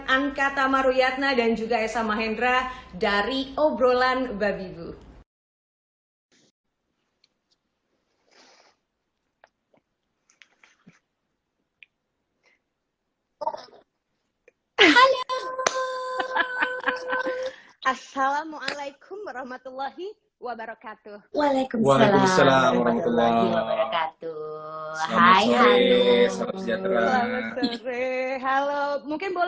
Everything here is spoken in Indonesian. anka tamaruyatna dan juga esa mahendra dari obrolan babibu